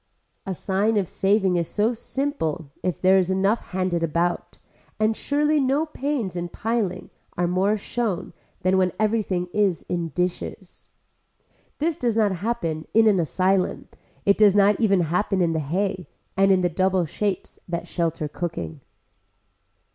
A sign of saving is so simple if there is enough handed about, and surely no pains in piling are more shown than when everything is in dishes. This does not happen in an asylum, it does not even happen in the hay and in the double shapes that shelter cooking.